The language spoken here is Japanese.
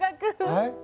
はい？